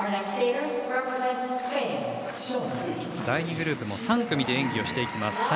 第２グループも３組で演技をしていきます。